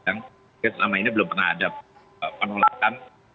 dan selama ini belum pernah ada penolakan